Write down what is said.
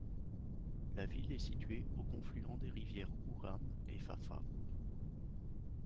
La ville est située au confluent des rivières Ouham et Fafa.